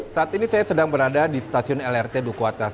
saat ini saya sedang berada di stasiun lrt duku atas